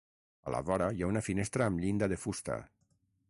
A la vora, hi ha una finestra amb llinda de fusta.